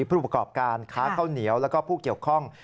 ผู้ประกอบการค้าข้าวเหนียวแล้วก็ผู้เกี่ยวข้อง